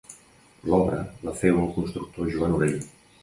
L'obra la féu el constructor Joan Orell.